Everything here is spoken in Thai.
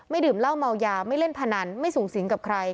ดื่มเหล้าเมายาไม่เล่นพนันไม่สูงสิงกับใคร